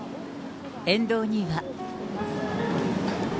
沿道には。